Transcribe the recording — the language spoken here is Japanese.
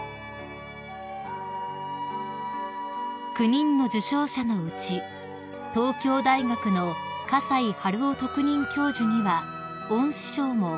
［９人の受賞者のうち東京大学の河西春郎特任教授には恩賜賞も贈られました］